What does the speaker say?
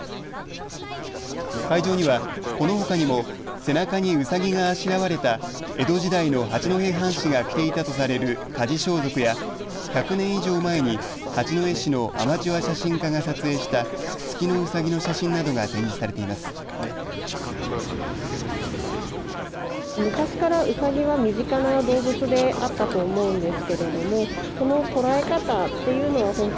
会場には、このほかにも背中にうさぎがあしらわれた江戸時代の八戸藩士が着ていたとされる火事装束や１００年以上前に八戸市のアマチュア写真家が撮影した月のうさぎの写真などが展示されています。